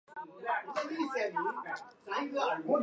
详细请参考本州四国联络桥公团。